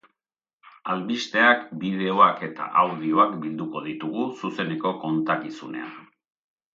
Albisteak, bideoak eta audioak bilduko ditugu, zuzeneko kontakizunean.